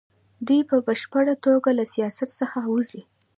دوی په بشپړه توګه له سیاست څخه وځي.